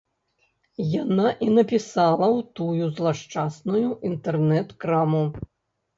Яна і напісала ў тую злашчасную інтэрнэт-краму.